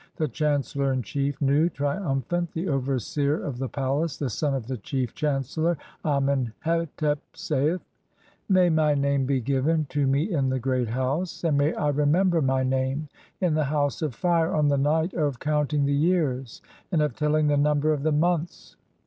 The chancellor in chief, Nu, triumphant, the overseer of the palace, the son of the chief chancellor Amen hetep, saith :— (2) "May my name be given to me in the Great House, and "may I remember my name in the House of Fire on the night "(3) of counting the years and of telling the number of the "mouths.